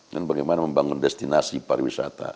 dan bagaimana membangun destinasi pariwisata